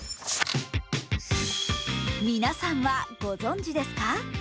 皆さんはご存じですか？